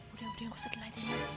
udah udah gue setelah itu ya